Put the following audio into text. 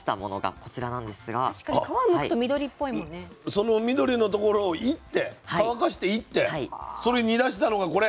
その緑の所をいって乾かしていってそれ煮だしたのがこれ。